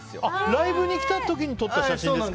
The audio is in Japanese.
ライブに来た時に撮った写真ですか。